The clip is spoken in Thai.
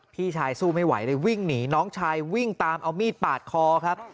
พี่ชายสู้ไม่ไหวเลยวิ่งหนีน้องชายวิ่งตามเอามีดปาดคอครับ